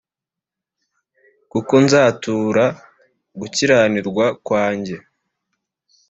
kuko nzatura gukiranirwa kwanjye